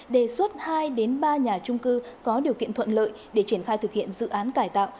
đề xuất hai ba nhà trung cư có điều kiện thuận lợi để triển khai thực hiện dự án cải tạo